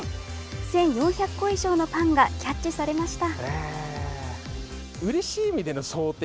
１４００個以上のパンがキャッチされました。